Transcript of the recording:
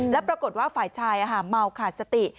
แล้วปรากฏว่าฝ่ายชายเมาขาดสติ